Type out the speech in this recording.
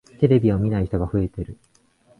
テレビを見ない人が増えている。